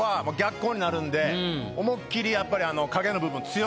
思いっ切りやっぱりあの。